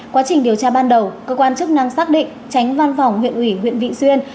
quá trình điều tra ban đầu cơ quan chức năng xác định tránh văn phòng huyện ủy huyện vị xuyên